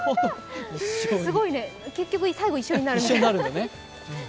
すごいね、結局、最後一緒になるのね。